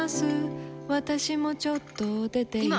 私もちょっと出ています。